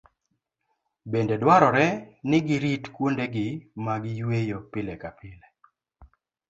Bende dwarore ni girit kuondegi mag yweyo pile ka pile.